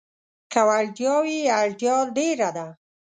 که وړتيا وي، اړتيا ډېره ده.